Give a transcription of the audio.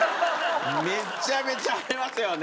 めっちゃめちゃありますよね。